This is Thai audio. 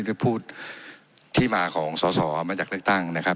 ได้พูดที่มาของสอสอมาจากเลือกตั้งนะครับ